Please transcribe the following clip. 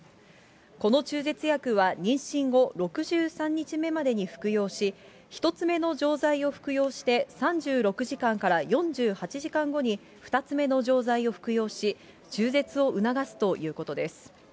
この中絶薬は、妊娠後６３日目までに服用し、１つ目の錠剤を服用して３６時間から４８時間後に、２つ目の錠剤を服用し、中絶を促すということです。